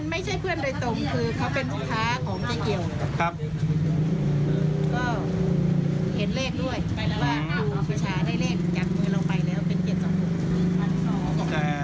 ไม่ใช่เพื่อนโดยตรงคือเขาเป็นลูกค้าของเจ้าเกี่ยว